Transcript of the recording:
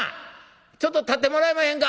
ちょっと立ってもらえまへんか！